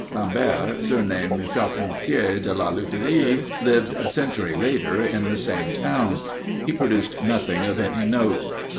Lambert, surnamed "Charpentier de la Lutherie," lived a century later in the same town. He produced nothing of any note.